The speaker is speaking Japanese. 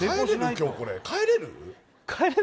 今日これ帰れる？